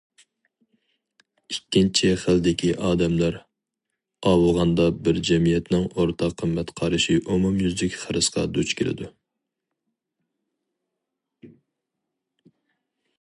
ئىككىنچى خىلدىكى ئادەملەر ئاۋۇغاندا بىر جەمئىيەتنىڭ ئورتاق قىممەت قارىشى ئومۇميۈزلۈك خىرىسقا دۇچ كېلىدۇ.